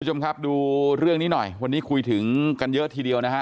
คุณผู้ชมครับดูเรื่องนี้หน่อยวันนี้คุยถึงกันเยอะทีเดียวนะฮะ